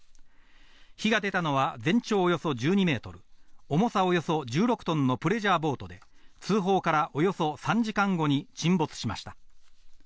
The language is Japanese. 火が出たのは全長およそ１２ｍ、重さおよそ１６トンのプレジャーボートで通報からおよそ３時間後に沈没しました。